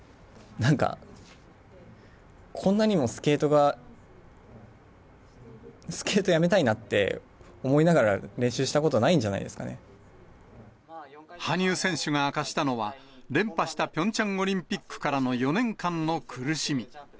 なんか、こんなんにもスケートが、スケートやめたいなって思いながら、練習したことないんじゃない羽生選手が明かしたのは、連覇したピョンチャンオリンピックからの４年間の苦しみ。